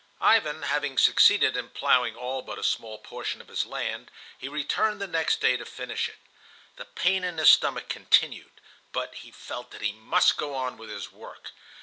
Ivan having succeeded in plowing all but a small portion of his land, he returned the next day to finish it. The pain in his stomach continued, but he felt that he must go on with his work.